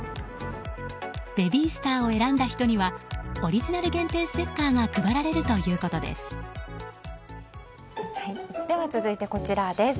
ベビースターを選んだ人にはオリジナル限定ステッカーが配られるということです。